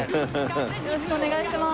よろしくお願いします。